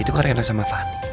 itu karina sama fahmi